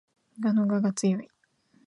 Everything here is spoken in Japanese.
蛾の我が強い